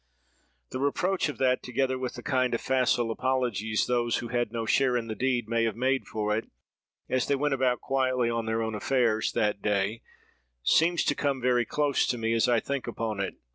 The reproach of that, together with the kind of facile apologies those who had no share in the deed may have made for it, as they went about quietly on their own affairs that day, seems to come very close to me, as I think upon it.